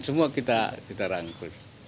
semua kita rangkul